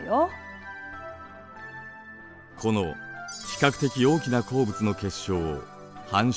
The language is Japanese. この比較的大きな鉱物の結晶を「斑晶」。